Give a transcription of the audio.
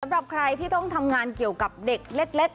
สำหรับใครที่ต้องทำงานเกี่ยวกับเด็กเล็ก